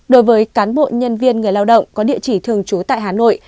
đối với cán bộ nhân viên người lao động có địa chỉ thường trú tại hà nội